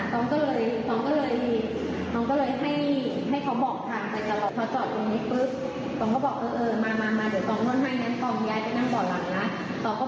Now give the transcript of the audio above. ต้องก็บอกเออเออมามามาเดี๋ยวต้องนวดให้